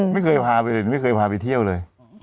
ไม่เคยพาไปเลยไม่เคยพาไปเที่ยวเลย